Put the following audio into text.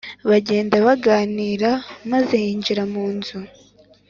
bagenda baganira maze yinjira munzu